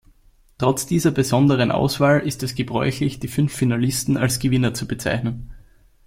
Trotz dieser besonderen Auswahl ist es gebräuchlich, die fünf Finalisten als Gewinner zu bezeichnen.